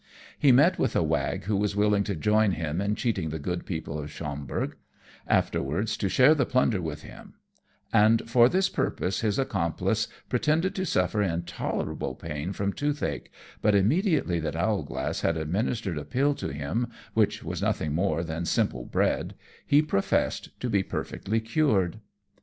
He met with a wag who was willing to join him in cheating the good people of Schomberg, afterwards to share the plunder with him; and for this purpose his accomplice pretended to suffer intolerable pain from toothache, but immediately that Owlglass had administered a pill to him, which was nothing more than simple bread, he professed to be perfectly cured.